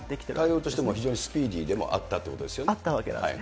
対応としても非常にスピーディーでもあったということですよあったわけなんです。